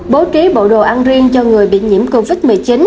bố trí bộ đồ ăn riêng cho người bị nhiễm covid một mươi chín